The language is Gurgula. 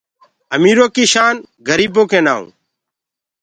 اميرو ڪي شان گريبو ڪي نآئو